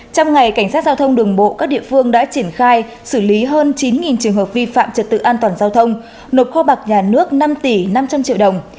trong ngày cảnh sát giao thông đường bộ các địa phương đã triển khai xử lý hơn chín trường hợp vi phạm trật tự an toàn giao thông nộp kho bạc nhà nước năm tỷ năm trăm linh triệu đồng